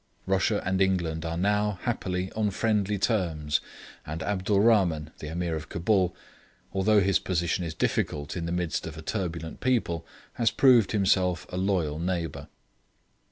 Russia and England are now, happily, on friendly terms, and Abdul Rahman, the Ameer of Cabul, although his position is difficult in the midst of a turbulent people, has proved himself a loyal neighbour.